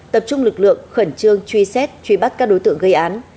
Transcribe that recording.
tập trung lực lượng khẩn trương truy xét truy bắt các đối tượng gây án